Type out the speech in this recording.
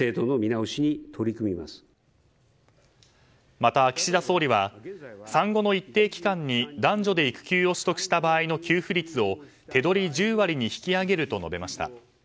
また、岸田総理は産後の一定期間に男女で育休を取得した場合の給付率を手取り１０割に引き上げると述べました。